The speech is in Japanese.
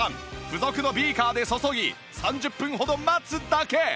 付属のビーカーで注ぎ３０分ほど待つだけ